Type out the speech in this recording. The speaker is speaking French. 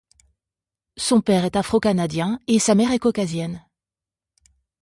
Son père est afro canadien et sa mère est caucasienne.